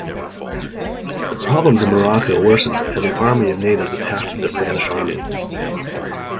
The problems in Morocco worsened as an army of natives attacked the Spanish army.